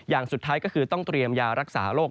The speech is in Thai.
อย่างสุดท้ายก็คือต้องเตรียมยารักษาโรค